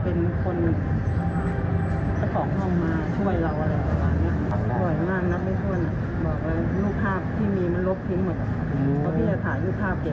พี่ก็จะแก้ปัญหาได้